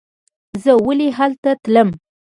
زه ولې هلته تلم.